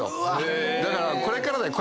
だからこれからだよ。